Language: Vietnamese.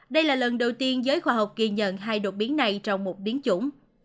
đây là lần đầu tiên giới khoa học ghi nhận hai đột biến này trong một biến chủng